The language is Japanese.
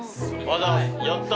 やった。